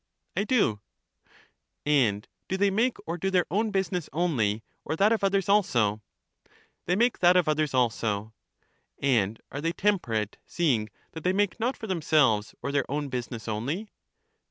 I do. And do they make or do their own business only, or that of others also? They make that of others also. And are they temperate, seeing that they make not for themselves or their own business only?